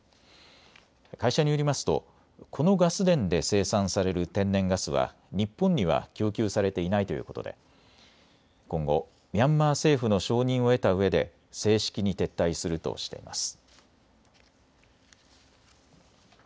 会社によりますとこのガス田で生産される天然ガスは日本には供給されていないということで今後、ミャンマー政府の承認を得たうえで正式に撤退するとしています。